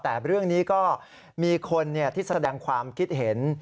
แต่เรื่องนี้ก็มีคนที่แสดงความคิดเห็น